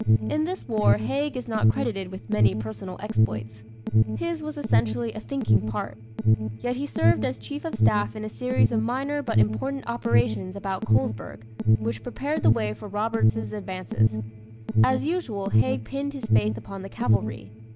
In this war, Haig is not credited with many personal exploits. His was essentially a thinking part. Yet he served as chief of staff in a series of minor but important operations about Colesburg, which prepared the way for Roberts's advance. As usual Haig pinned his faith upon the cavalry.